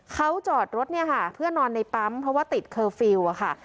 เขาจอดรถเนี่ยค่ะเพื่อนอนในปั๊มเพราะว่าติดเคอร์ฟิลล์ค่ะ